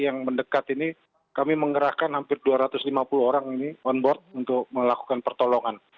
yang mendekat ini kami mengerahkan hampir dua ratus lima puluh orang ini on board untuk melakukan pertolongan